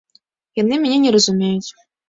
Яны мяне не разумеюць.